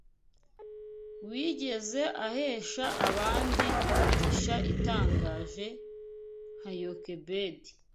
wigeze ahesha abandi imigisha itangaje nka Yokebedi